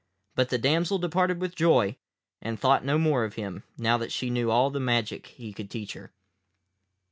But the damsel departed with joy, and thought no more of him, now that she knew all the magic he could teach her.